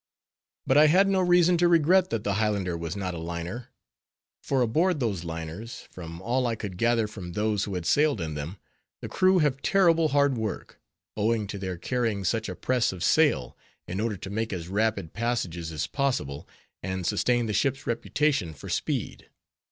But I had no reason to regret that the Highlander was not a liner; for aboard of those liners, from all I could gather from those who had sailed in them, the crew have terrible hard work, owing to their carrying such a press of sail, in order to make as rapid passages as possible, and sustain the ship's reputation for speed.